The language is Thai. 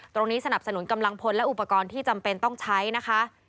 สนับสนุนกำลังพลและอุปกรณ์ที่จำเป็นต้องใช้นะคะ